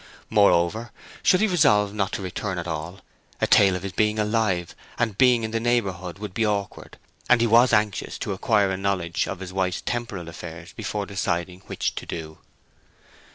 Moreover, should he resolve not to return at all, a tale of his being alive and being in the neighbourhood would be awkward; and he was anxious to acquire a knowledge of his wife's temporal affairs before deciding which to do.